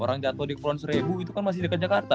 orang jatuh di kepulauan seribu itu kan masih dekat jakarta